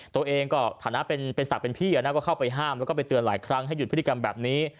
ตัวเองก็ฐานะเป็นศักดิ์เป็นพี่ก็เข้าไปห้ามแล้วก็ไปเตือนหลายครั้งให้หยุดพฤติกรรมแบบนี้